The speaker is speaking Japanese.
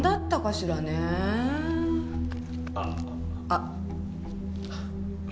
あっ。